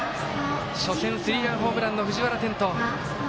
初戦スリーランホームランの藤原天斗。